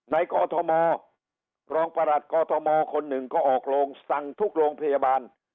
กอทมรองประหลัดกอทมคนหนึ่งก็ออกโรงสั่งทุกโรงพยาบาล